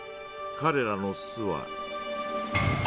彼らの巣は。